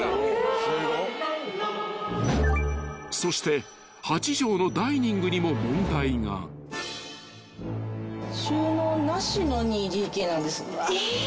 ［そして８畳のダイニングにも問題が］えっ？